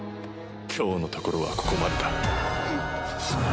今日のところはここまでだ。